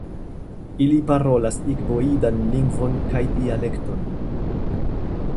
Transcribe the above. Ili parolas igboidan lingvon kaj dialekton.